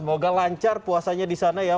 semoga lancar puasanya di sana ya